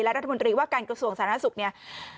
รัฐมนตรีว่าการกระทรวงสาธารณสุขเนี่ย